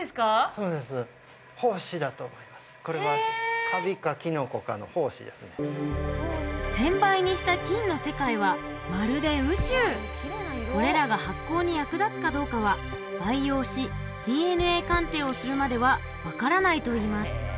そうです１０００倍にした菌の世界はまるで宇宙これらが発酵に役立つかどうかは培養しＤＮＡ鑑定をするまでは分からないといいます